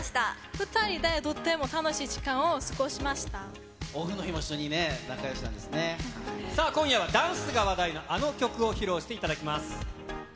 ２人でとっても楽しい時間をオフの日も一緒に、仲よしなさあ、今夜はダンスが話題のあの曲を披露していただきます。